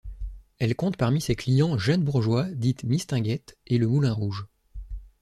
Elle compte parmi ses clients Jeanne Bourgeois, dite Mistinguett, et le Moulin-Rouge.